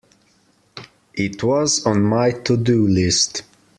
It was on my to-do list.